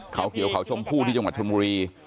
เขาเขียวเขาชมพู่ที่จังหวัดชนบุรี